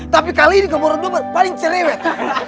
tapi kali ini kamu orang berdua paling cerewet